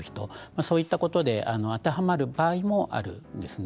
そういうことで当てはまる場合もあるんです。